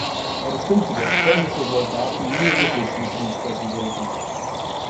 Er bestimmte, dass polnische Soldaten nur Russisch mit ihm sprechen sollten.